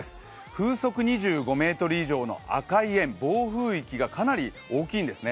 風速２５メートル以上の赤い円、暴風域がかなり大きいんですね。